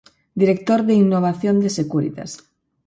Director de Innovación de Securitas.